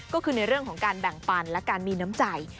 ก็คือในเรื่องของการแบ่งปันและการมีน้ำใจ